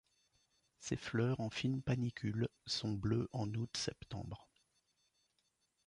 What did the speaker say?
Ses fleurs en fines panicules sont bleues en août-septembre.